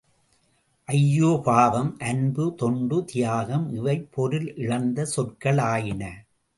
ஐயோ பாவம் அன்பு, தொண்டு, தியாகம் இவை பொருளிழந்த சொற்களாயின.